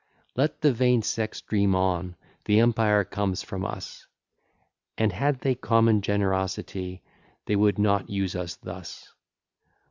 Let the vain sex dream on; the empire comes from us; And had they common generosity, They would not use us thus.